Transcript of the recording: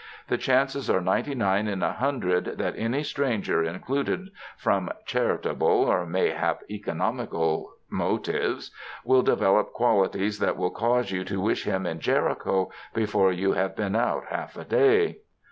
The chances are ninety nine in a hundred that any stranger included from charitable or mayhap economical motives, will develop qualities that will cause you to wish him in Jericho before you have been out half a day.